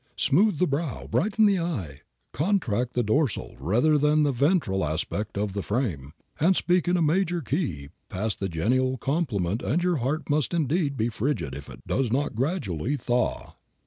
Smooth the brow, brighten the eye, contract the dorsal rather than the ventral aspect of the frame, and speak in a major key, pass the genial compliment and your heart must indeed be frigid if it does not gradually thaw."